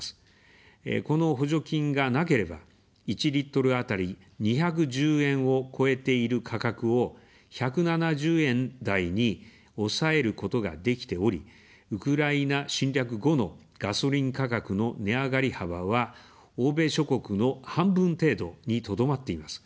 この補助金がなければ、１リットルあたり２１０円を超えている価格を、１７０円台に抑えることができており、ウクライナ侵略後のガソリン価格の値上がり幅は欧米諸国の半分程度にとどまっています。